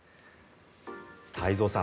太蔵さん